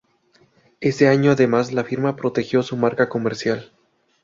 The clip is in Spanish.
Ese año además la firma protegió su marca comercial.